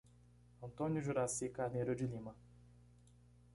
Antônio Juraci Carneiro de Lima